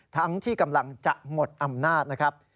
ทั้งที่กำลังจะหมดอำนาจนะครับ